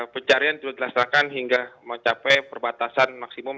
pencarian sudah dilaksanakan hingga mencapai perbatasan maksimum